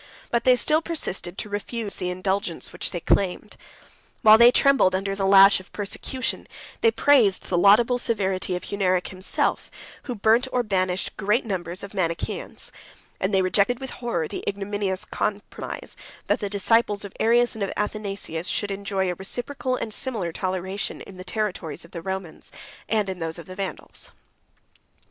But they still persisted to refuse the indulgence which they claimed. While they trembled under the lash of persecution, they praised the laudable severity of Hunneric himself, who burnt or banished great numbers of Manichæans; 92 and they rejected, with horror, the ignominious compromise, that the disciples of Arius and of Athanasius should enjoy a reciprocal and similar toleration in the territories of the Romans, and in those of the Vandals.